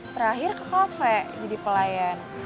terakhir ke kafe jadi pelayan